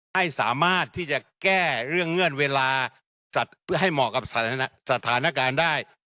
ให้สามารถที่จะแก้เรื่องเงื่อนเวลาจัดเพื่อให้เหมาะกับสถานการณ์ได้